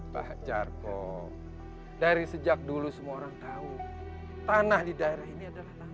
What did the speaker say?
pak jarko dari sejak dulu semua orang tahu tanah di daerah ini adalah tanah